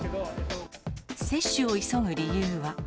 接種を急ぐ理由は。